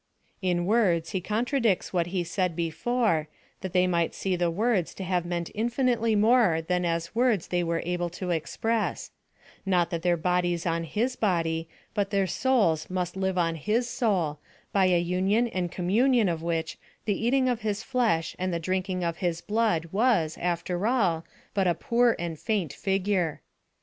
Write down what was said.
In words he contradicts what he said before, that they might see the words to have meant infinitely more than as words they were able to express; that not their bodies on his body, but their souls must live on his soul, by a union and communion of which the eating of his flesh and the drinking of his blood was, after all, but a poor and faint figure.